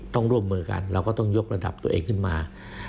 ต้องร่วมมือกันเราก็ต้องยกระดับตัวเองขึ้นมา